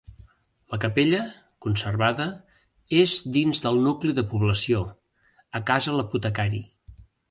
La capella, conservada, és dins del nucli de població, a Casa l'Apotecari.